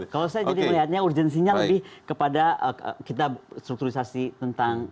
kalau saya jadi melihatnya urgensinya lebih kepada kita strukturisasi tentang